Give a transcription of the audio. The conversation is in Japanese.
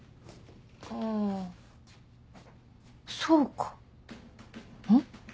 そうかん？